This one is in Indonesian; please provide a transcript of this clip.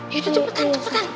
yuk cepetan cepetan